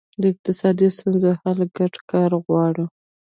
د اقتصادي ستونزو حل ګډ کار غواړي.